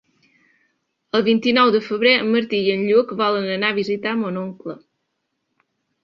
El vint-i-nou de febrer en Martí i en Lluc volen anar a visitar mon oncle.